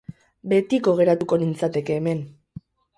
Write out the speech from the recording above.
Betiko geratuko nintzateke hemen.